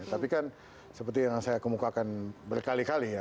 tapi kan seperti yang saya kemukakan berkali kali ya